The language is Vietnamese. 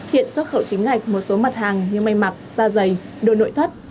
hiện xuất khẩu chính ngạch một số mặt hàng như may mặc da dày đồ nội thất